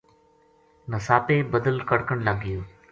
نساپے ندل کڑکن لگ گیو